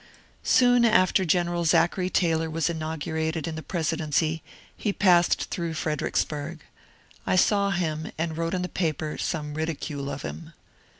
Soon after General Zachary Taylor was inaugurated in the presidency he passed through Fredericksburg. I saw him and wrote in the paper some ridicule of him.